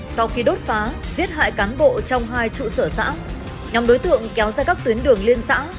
sau khi đốt phá giết hại cán bộ trong hai trụ sở xã nhóm đối tượng kéo ra các tuyến đường liên xã